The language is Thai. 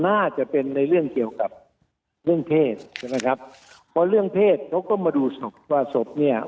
น่าจะเป็นในเรื่องเกี่ยวกับเรื่องเพศใช่ไหมครับเพราะเรื่องเพศเขาก็มาดูศพว่าศพเนี่ย